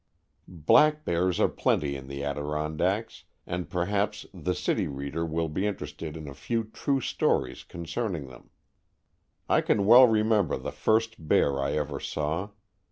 Black bears are plenty in the Adiron dacks and perhaps the city reader will be interested in a few true stories con cerning them. I can well remember the first bear I ever saw.